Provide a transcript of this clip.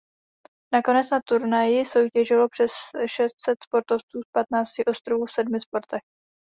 Nakonec na turnaji soutěžilo přes šest set sportovců z patnácti ostrovů v sedmi sportech.